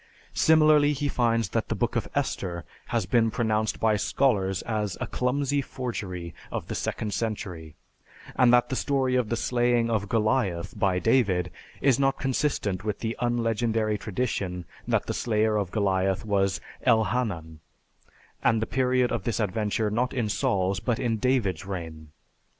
Similarly, he finds that the Book of Esther has been pronounced by scholars as a clumsy forgery of the second century, and that the story of the slaying of Goliath by David is not consistent with the unlegendary tradition that the slayer of Goliath was Elhanan, and the period of this adventure not in Saul's but in David's reign.